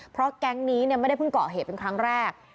เพราะแก๊งนี้ไม่ได้เพิ่งเกาะเหตุเป็นครั้งแรก